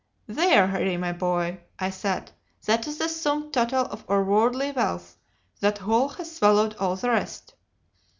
"'There, Harry, my boy!' I said, 'that is the sum total of our worldly wealth; that hole has swallowed all the rest.